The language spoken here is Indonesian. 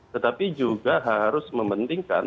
tetapi juga harus mempentingkan